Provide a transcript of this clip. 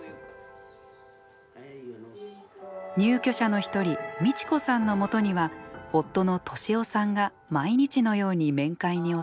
入居者の一人ミチ子さんのもとには夫の利夫さんが毎日のように面会に訪れます。